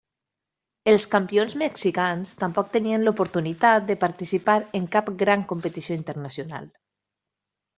Els campions mexicans tampoc tenien l'oportunitat de participar en cap gran competició internacional.